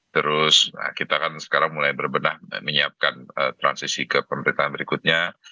terus kita kan sekarang mulai berbenah menyiapkan transisi ke pemerintahan berikutnya